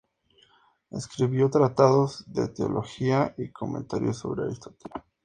Escribió tratados de teología y comentarios sobre Aristóteles.